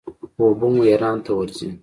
اوبه مو ایران ته ورځي.